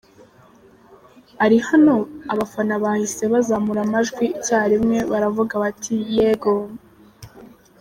Ari hano?” Abafana bahise bazamura amajwi icya rimwe baravuga bati “Yego”.